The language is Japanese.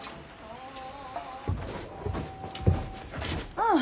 ああ